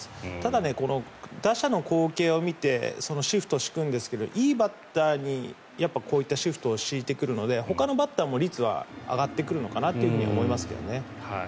ただ、打者の光景を見てシフトを敷くんですがいいバッターにこういったシフトを敷いてくるのでほかのバッターも率は上がってくるのかなと思いますけどね。